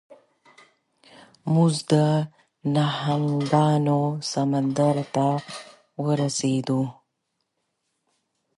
موږ د نهنګانو سمندر ته ورسیدو.